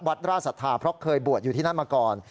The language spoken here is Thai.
วัดราศรัพย์ขอบเขยบวชอยู่ที่นั่นมาก่อน